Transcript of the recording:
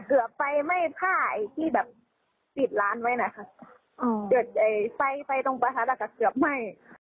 แต่เกือบไฟไม่ฆ่าไอ้ที่แบบปิดร้านไว้นะครับอ๋อเกือบไฟไปตรงประทัดกับเกือบไหม